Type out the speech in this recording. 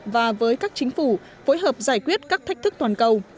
và với các chính phủ phối hợp giải quyết các thách thức toàn cầu